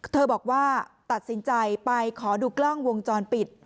บอกว่าตัดสินใจไปขอดูกล้องวงจรปิด